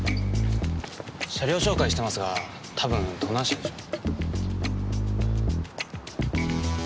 車両照会してますがたぶん盗難車でしょう。